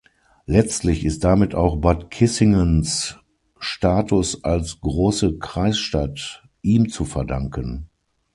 Letztlich ist damit auch Bad Kissingens Status als „Große Kreisstadt“ ihm zu verdanken.